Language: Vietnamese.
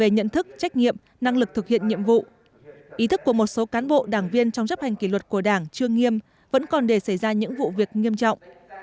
năng lực thực hiện nhiệm vụ ý thức của một số cán bộ đảng viên trong chấp hành kỷ luật của đảng chưa nghiêm vẫn còn để xảy ra những vụ việc nghiêm trọng